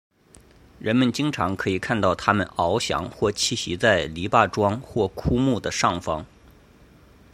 人们经常可以看到它们翱翔或栖息在篱笆桩或枯木的上方。